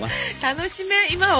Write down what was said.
楽しめ今を。